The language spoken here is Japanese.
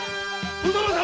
お殿様！？